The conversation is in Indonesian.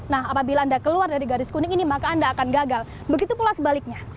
nah apabila anda keluar dari garis kuning ini maka anda akan gagal begitu pula sebaliknya